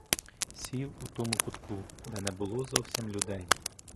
Сів у тому кутку, де не було зовсім людей.